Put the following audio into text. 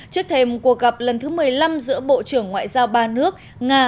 trước thêm cuộc gặp lần thứ một mươi năm giữa bộ trưởng ngoại giao ba nước nga